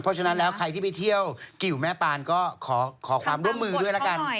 เพราะฉะนั้นแล้วใครที่ไปเที่ยวกิวแม่ปานก็ขอความร่วมมือด้วยละกัน